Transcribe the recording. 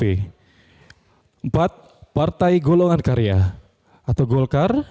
empat partai golongan karya atau golkar